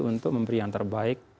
untuk memberi yang terbaik